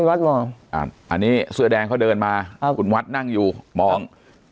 วัดมองอันนี้เสื้อแดงเขาเดินมาคุณวัดนั่งอยู่มอง